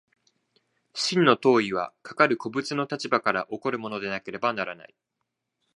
真の当為はかかる個物の立場から起こるものでなければならない。